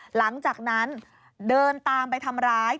หลังจากนั้นเดินตามไปทำร้าย